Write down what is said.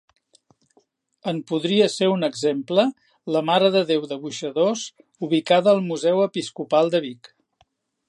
En podria ser un exemple la Marededéu de Boixadors ubicada al Museu Episcopal de Vic.